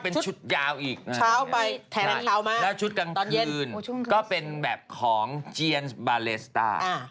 เป็นชุดยาวอีกนะแล้วชุดกลางตอนยืนก็เป็นแบบของเจียนบาเลสต้า